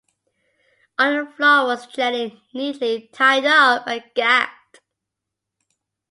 On the floor was Jenny, neatly tied-up and gagged.